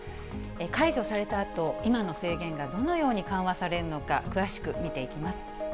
解除されたあと、今の制限がどのように緩和されるのか、詳しく見ていきます。